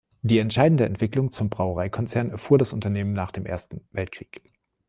Die entscheidende Entwicklung zum Brauereikonzern erfuhr das Unternehmen nach dem Ersten Weltkrieg.